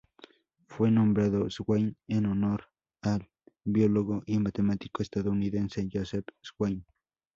Fue nombrado Swain en honor al biólogo y matemático estadounidense Joseph Swain.